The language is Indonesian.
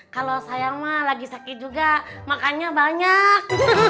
kalau sayang mah lagi sakit juga makannya banyak